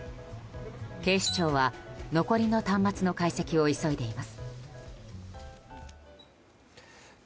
警視庁は残りの端末の解析を急いでいます。